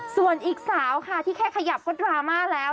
ส่วนอีกสาวค่ะที่แค่ขยับก็ดราม่าแล้ว